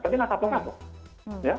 tapi tidak terlalu banyak